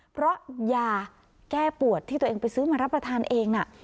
เพราะยาแก้ปวดที่ตัวเองไปซื้อมารับประทานเองน่ะ